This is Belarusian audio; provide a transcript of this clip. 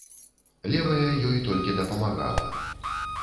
Левая ёй толькі дапамагала.